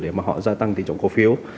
để mà họ gia tăng tỷ trọng cổ phiếu